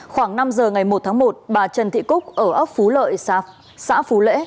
khoảng năm giờ ngày một tháng một bà trần thị cúc ở ốc phú lợi xã phủ lễ